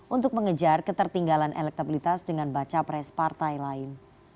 untuk mengejar ketertinggalan elektabilitas dengan baca pres partai lain